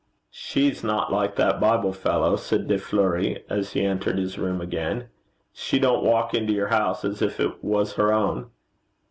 'She's not like that Bible fellow,' said De Fleuri, as he entered his room again. 'She don't walk into your house as if it was her own.'